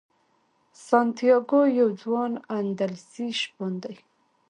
سانتیاګو یو ځوان اندلسي شپون دی.